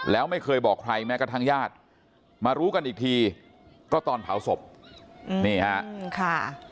แล้วไม่เคยบอกใครแม้กระทั่งญาติมารู้กันอีกทีก็ตอนเผาศพนี่ฮะค่ะ